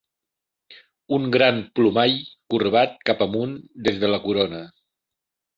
Un gran plomall corbat cap amunt des de la corona.